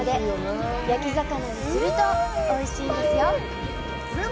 焼き魚にするとおいしいんです。